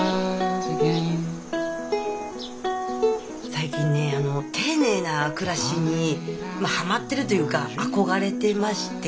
最近ね丁寧な暮らしにまぁハマってるというか憧れてまして。